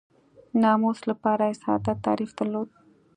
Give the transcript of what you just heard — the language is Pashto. ناموس لپاره یې ساده تعریف درلود.